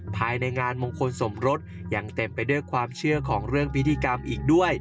ภายในงานมงคลสมรสยังเต็มไปด้วยความเชื่อของเรื่องพิธีกรรมอีกด้วย